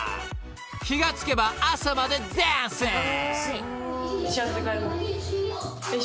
［気が付けば朝までダンシング］